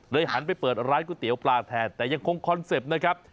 หันไปเปิดร้านก๋วยเตี๋ยวปลาแทนแต่ยังคงคอนเซ็ปต์นะครับ